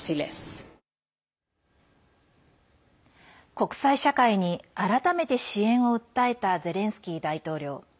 国際社会に改めて支援を訴えたゼレンスキー大統領。